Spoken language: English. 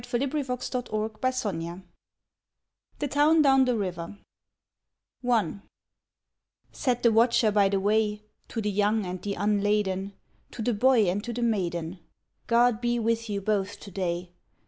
[71 THE TOWN DOWN THE RIVER THE TOWN DOWN THE RIVER Said the Watcher by the Way To the young and the unladen. To the boy and to the maiden, "Grod be with you both to day.